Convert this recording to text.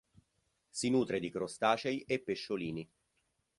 Si nutre di crostacei e pesciolini.